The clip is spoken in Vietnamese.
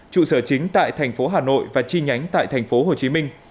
trụ sở chính tại thành phố hà nội và chi nhánh tại thành phố hồ chí minh